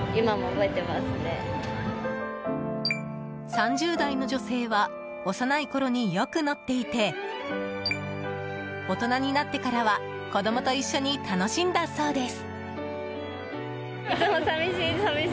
３０代の女性は幼いころによく乗っていて大人になってからは子供と一緒に楽しんだそうです。